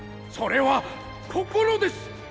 それは「心」です。